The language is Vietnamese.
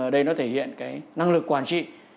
đây nó thể hiện cái năng lực quản trị